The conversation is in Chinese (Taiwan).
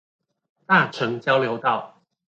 大城交流道